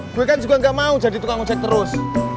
gue kan juga nggak mau jadi tukang ojek terus